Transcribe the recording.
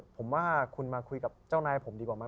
ผมว่าคุณมาคุยกับเจ้าณัยของผมละ